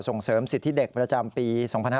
ส่งเสริมสิทธิเด็กประจำปี๒๕๕๙